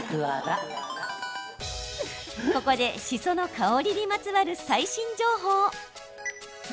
ここで、しその香りにまつわる最新情報。